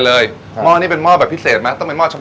เลยม่อนี่เป็นม่อแบบพิเศษมั้ยต้นเป็นม่อชป้อ